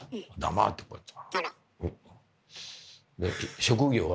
黙ってこうやって。